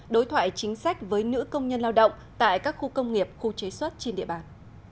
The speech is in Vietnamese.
đối thoại chính sách với nữ công nhân lao động tại các khu công nghiệp khu chế xuất trên địa bàn